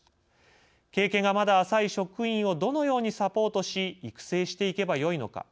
経験が、まだ浅い職員をどのようにサポートし育成していけばよいのか。